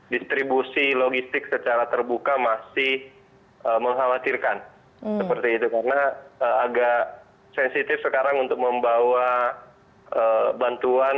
distribusi logistik secara terbuka masih mengkhawatirkan seperti itu karena agak sensitif sekarang untuk membawa bantuan